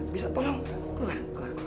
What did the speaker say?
bisa tolong keluar